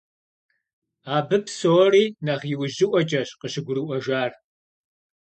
Абы а псори нэхъ иужьыӀуэкӀэщ къыщыгурыӀуэжар.